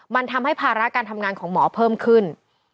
มันทำให้ภาระการทำงานของหมอเพิ่มขึ้น